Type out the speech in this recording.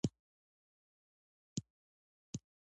د انتقال کوونکو عصبي رشتو په وظیفه کې ده.